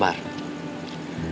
bercuma juga kan